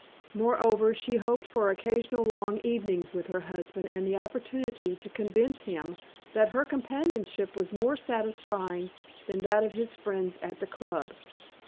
Moreover, she hoped for occasional long evenings with her husband and the opportunity to convince him that her companionship was more satisfying than that of his friends at the Club.